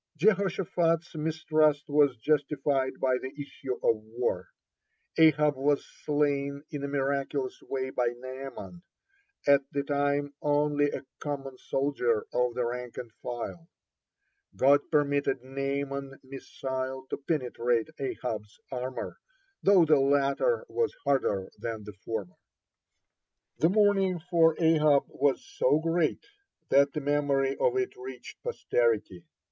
(42) Jehoshaphat's mistrust was justified by the issue of war. Ahab was slain in a miraculous way by Naaman, at the time only a common soldier of the rank and file. God permitted Naaman's missile to penetrate Ahab's armor, though the latter was harder than the former. (43) The mourning for Ahab was so great that the memory of it reached posterity.